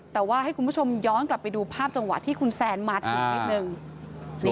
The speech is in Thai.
แต่ว่าให้คุณผู้ชมย้อนกลับไปดูภาพจังหวะที่คุณแซนมาถึงนิดนึง